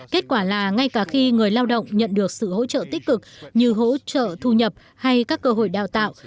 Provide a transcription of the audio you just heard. kết quả là ngay cả khi người lao động nhận được sự hỗ trợ tích cực như hỗ trợ thu nhập hay các cơ hội đào tạo